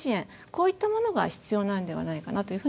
こういったものが必要なんではないかなという